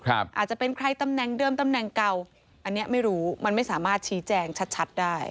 อาจจะเป็นใครตำแหน่งเดิมตำแหน่งเก่าอันนี้ไม่รู้มันไม่สามารถชี้แจงชัดได้